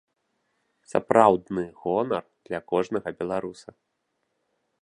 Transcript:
Сапраўдны гонар для кожнага беларуса.